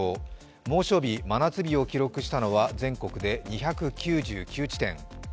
猛暑日、真夏日を記録したのは全国で２９９地点。